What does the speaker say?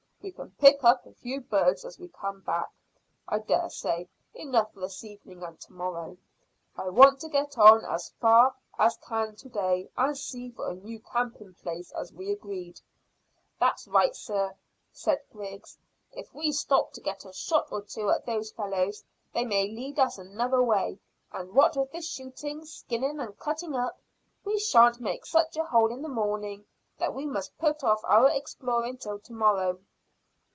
We can pick up a few birds as we come back, I dare say, enough for this evening and to morrow. I want to get on as far as we can to day and see for a new camping place, as we agreed." "That's right, sir," said Griggs. "If we stop to get a shot or two at those fellows they may lead us another way, and what with the shooting, skinning, and cutting up, we shall make such a hole in the morning that we must put off our exploring till to morrow."